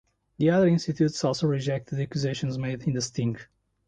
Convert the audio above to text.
The other institutes also rejected the accusations made in the sting.